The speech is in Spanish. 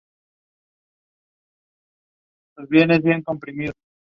Por competición regional disputa la Liga Sanjuanina de Fútbol.